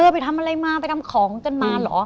ไปทำอะไรมาไปทำของกันมาเหรอ